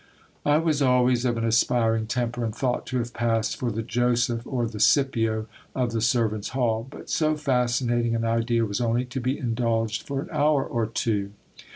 I was always of an aspiring temper, and thought to have passed for the Joseph or the Scipio of the servants' hall ; but so fascinating an idea was only to be indulged for an hour or two.